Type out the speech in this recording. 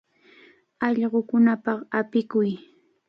Allqukunapaq apikuy.